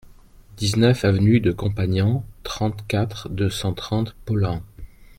dix-neuf avenue de Campagnan, trente-quatre, deux cent trente, Paulhan